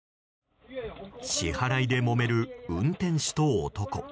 支払いでもめる運転手と男。